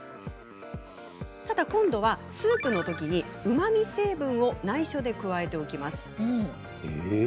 ただ今度はスープにうまみ成分をないしょで加えておきます。